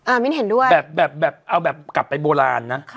มิ้นเห็นด้วยแบบเอาแบบกลับไปโบราณนะ